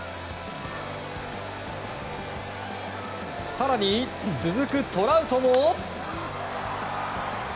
更に、続くトラウトも。